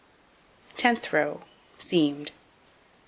Tenth row: Seamed.